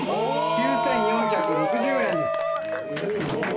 ９，４６０円です。